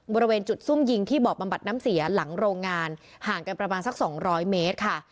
บริเวณจุดซุ่มยิงที่บ่อบำบัดน้ำเสียหลังโรงงานห่างกันประมาณสัก๒๐๐เมตรค่ะ